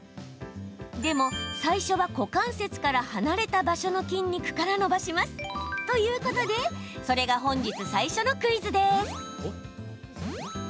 でも、最初は股関節から離れた場所の筋肉から伸ばします。ということでそれが本日、最初のクイズです。